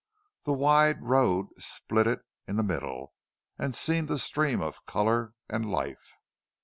The wide road split it in the middle and seemed a stream of color and life.